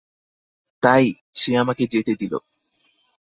তাই, সে আমাকে যেতে দিলো।